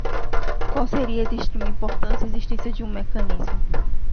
qual seria de extrema importância a existência de um mecanismo